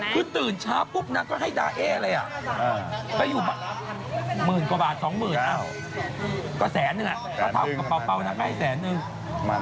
แต่สองคนนี้เป็นคนปั้นเอขึ้นมา